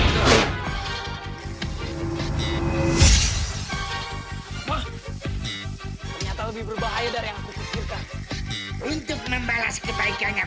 hai mah ternyata lebih berbahaya dari yang kukirkan untuk membalas kebaikannya